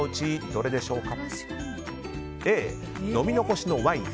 どれでしょうか。